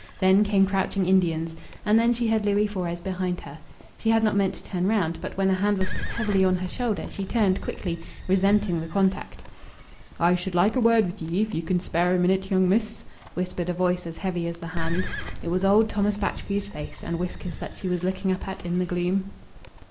Then came crouching Indians.... And then she heard Louis Fores behind her. She had not meant to turn round, but when a hand was put heavily on her shoulder she turned quickly, resenting the contact. "I should like a word with ye, if ye can spare a minute, young miss," whispered a voice as heavy as the hand. It was old Thomas Batchgrew's face and whiskers that she was looking up at in the gloom.